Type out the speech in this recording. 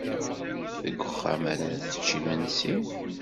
Deg uxxam ara tečč imensi?